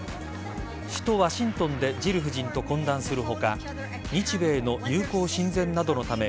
首都・ワシントンでジル夫人と懇談する他日米の友好親善などのため